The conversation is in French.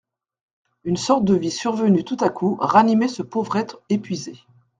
Une sorte de vie survenue tout à coup ranimait ce pauvre être épuisé.